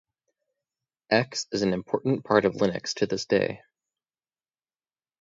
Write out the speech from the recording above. X is an important part of Linux to this day.